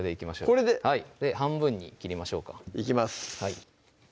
これで半分に切りましょうかいきます